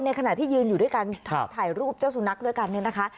ขณะที่ยืนอยู่ด้วยกันถ่ายรูปเจ้าสุนัขด้วยกันเนี่ยนะคะ